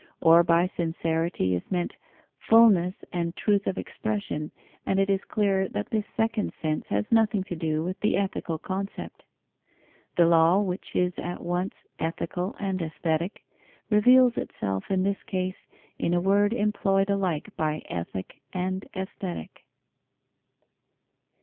Or by sincerity is meant, fulness and truth of expression, and it is clear that this second sense has nothing to do with the ethical concept. The law, which is at once ethical and aesthetic, reveals itself in this case in a word employed alike by Ethic and Aesthetic.